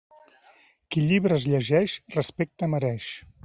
Qui llibres llegeix, respecte mereix.